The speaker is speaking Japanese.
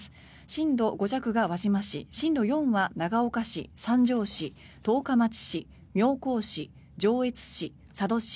震度５弱が輪島市震度４は長岡市、三条市、十日町市妙高市、上越市佐渡市、